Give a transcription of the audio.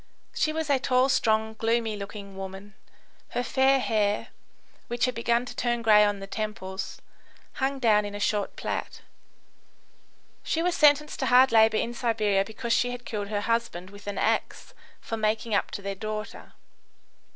She was a tall, strong, gloomy looking woman; her fair hair, which had begun to turn grey on the temples, hung down in a short plait. She was sentenced to hard labour in Siberia because she had killed her husband with an axe for making up to their daughter.